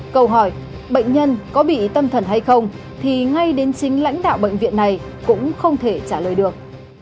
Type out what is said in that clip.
câu hỏi bệnh nhân có bị tâm thần hay không thì ngay đến chính lãnh đạo bệnh viện này cũng không thể trả lời được